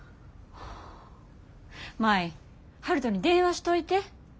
舞悠人に電話しといて。